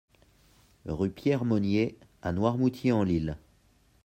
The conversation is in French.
Rue Pierre Monnier à Noirmoutier-en-l'Île